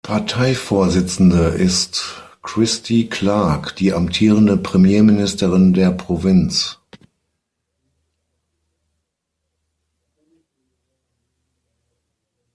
Parteivorsitzende ist Christy Clark, die amtierende Premierministerin der Provinz.